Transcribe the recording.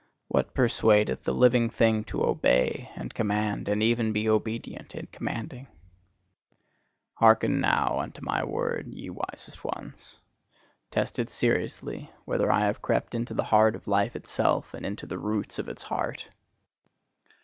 What persuadeth the living thing to obey, and command, and even be obedient in commanding? Hearken now unto my word, ye wisest ones! Test it seriously, whether I have crept into the heart of life itself, and into the roots of its heart!